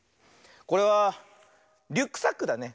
これはリュックサックだね。